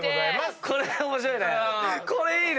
これ面白いね！